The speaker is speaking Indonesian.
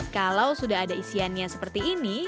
kalau sudah ada isiannya seperti ini